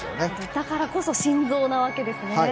だからこそ心臓なわけですね。